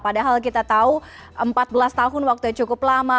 padahal kita tahu empat belas tahun waktunya cukup lama